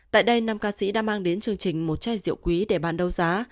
tại đây nàm ca sĩ đã mang đến chương trình một chai rượu quý để bàn đấu giá